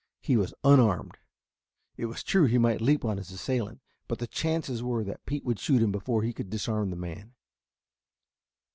He was unarmed. It was true he might leap on his assailant, but the chances were that Pete would shoot him before he could disarm the man.